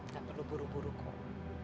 gak perlu buru buru kok